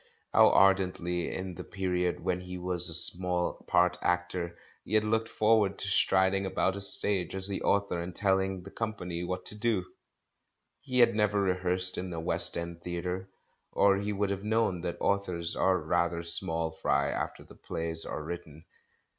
How ardently, in the period when he was a small part actor, he had looked forward to strid ing about a stage as the author and telling the company what to do! He had never rehearsed in a West End theatre, or he would have known that authors are rather small fry after the plays are written.